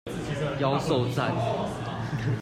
妖受讚